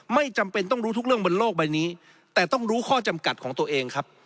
ไม่จำเป็นต้องรู้ทุกเรื่องบนโลกใบนี้แต่ต้องรู้ข้อจำกัดของตัวเองครับ